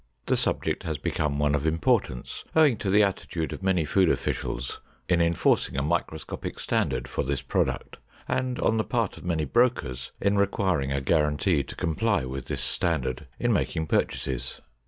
The subject has become one of importance, owing to the attitude of many food officials in enforcing a microscopic standard for this product, and on the part of many brokers in requiring a guarantee to comply with this standard in making purchases.